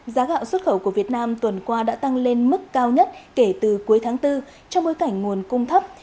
giá gạo xuất khẩu của việt nam tuần qua đã tăng lên mức cao nhất kể từ cuối tháng bốn trong bối cảnh nguồn cung thấp